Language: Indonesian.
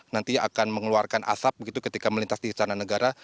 nanti akan mengeluarkan asap begitu ketika melintas di istana negara